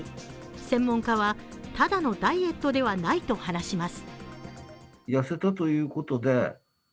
専門家はただのダイエットではないと話します。